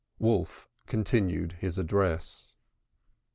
Wolf continued his address.